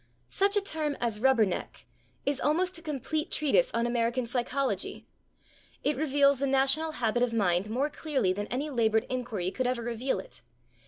Such a term as /rubber neck/ is almost a complete treatise on American psychology; it reveals the national habit of mind more clearly than any labored inquiry could ever reveal it.